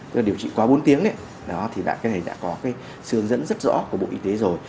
tức là điều trị qua bốn tiếng thì đã có sư hướng dẫn rất rõ của bộ y tế rồi